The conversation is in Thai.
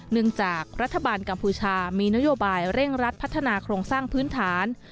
จากรัฐบาลกัมพูชามีนโยบายเร่งรัดพัฒนาโครงสร้างพื้นฐาน